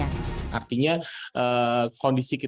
languages o penyebab karakteristik wah